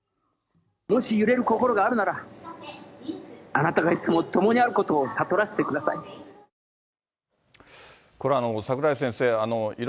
もし揺れる心があるなら、あなたがいつも共にあることを悟らせてください。